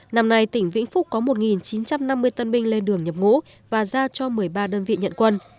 năm nay tỉnh vĩnh phúc có một chín trăm năm mươi tân binh lên đường nhập ngũ và giao cho một mươi ba đơn vị nhận quân